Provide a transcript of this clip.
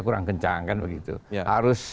kurang kencang kan begitu harus